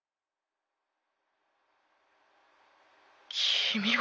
君は。